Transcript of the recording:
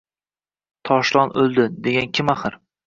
Toshlon o’ldi, degan kim axir?